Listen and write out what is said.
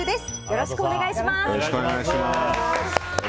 よろしくお願いします。